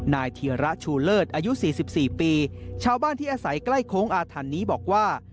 เทียระชูเลิศอายุ๔๔ปีชาวบ้านที่อาศัยใกล้โค้งอาถรรพ์นี้บอกว่า